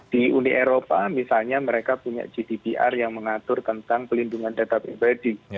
di uni eropa misalnya mereka punya gdpr yang mengatur tentang pelindungan data pribadi